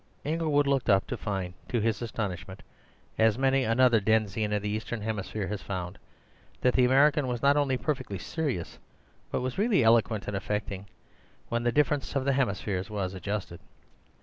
Inglewood looked up, to find, to his astonishment (as many another denizen of the eastern hemisphere has found), that the American was not only perfectly serious, but was really eloquent and affecting— when the difference of the hemispheres was adjusted.